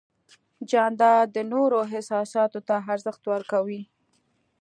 جانداد د نورو احساساتو ته ارزښت ورکوي.